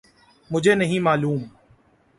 مجھے نہیں معلوم